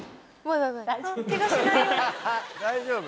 大丈夫？